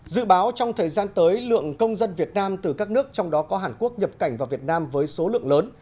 dự báo trong thời gian tới lượng công dân việt nam từ các nước trong đó có hàn quốc nhập cảnh vào việt nam với số lượng lớn